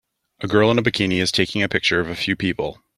A girl in a bikini is taking a picture of a few people.